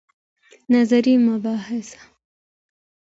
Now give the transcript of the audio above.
نظري مباحث